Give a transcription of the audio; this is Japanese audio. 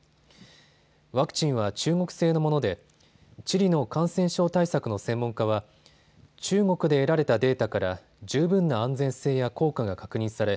ワクチンは中国製のものでチリの感染症対策の専門家は中国で得られたデータから十分な安全性や効果が確認され